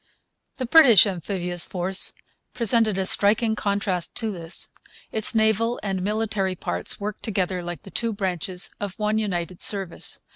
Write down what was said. The British amphibious force presented a striking contrast to this. Its naval and military parts worked together like the two branches of one United Service.